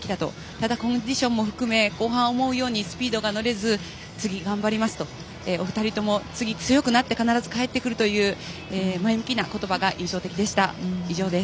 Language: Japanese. ただ、コンディションも含め後半は思うようにスピードが乗れず次、頑張りますとお二人とも次、強くなって必ず帰ってくるという前向きな言葉が印象的でした。